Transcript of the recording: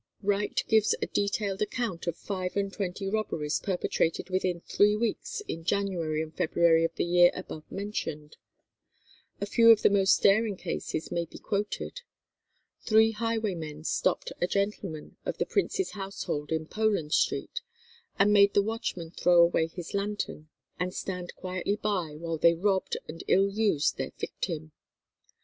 Wright gives a detailed account of five and twenty robberies perpetrated within three weeks in January and February of the year above mentioned. A few of the most daring cases may be quoted. Three highwaymen stopped a gentleman of the prince's household in Poland Street, and made the watchman throw away his lantern and stand quietly by while they robbed and ill used their victim.